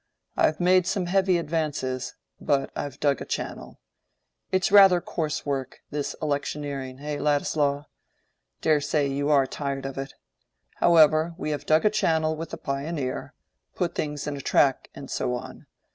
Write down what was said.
I've made some heavy advances, but I've dug a channel. It's rather coarse work—this electioneering, eh, Ladislaw? dare say you are tired of it. However, we have dug a channel with the 'Pioneer'—put things in a track, and so on.